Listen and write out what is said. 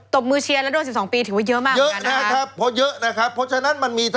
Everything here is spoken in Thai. ตบมือเชียร์แล้วโดน๑๒ปี